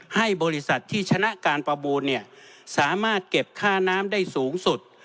ให้บริษัทที่ชนะการประมูลสามารถเก็บค่าน้ำได้สูงสุด